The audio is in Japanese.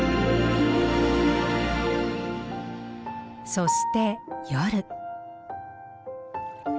そして夜。